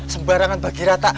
sembarangan bagi rata